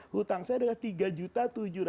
hutang saya adalah tiga juta tujuh ratus lima puluh